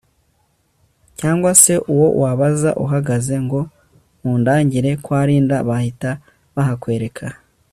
cyangwa se uwo wabaza uhageze ngo mundangire kwa Linda bahita bahakwereka